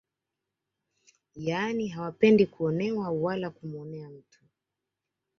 Yaani hawapendi kuonewa wala kumuonea mtu